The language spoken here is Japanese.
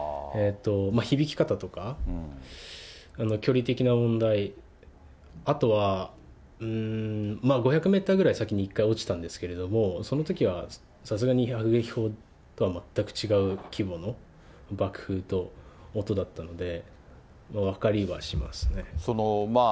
響き方とか、距離的な問題、あとは５００メーターぐらい先に１回落ちたんですけど、そのときはさすがに迫撃砲とは全く違う規模の爆風と音だったので、分かりはしますね。